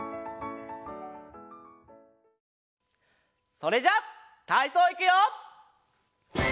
それじゃたいそういくよ！